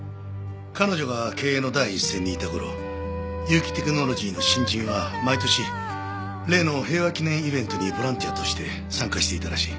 彼女が経営の第一線にいた頃結城テクノロジーの新人は毎年例の平和祈念イベントにボランティアとして参加していたらしい。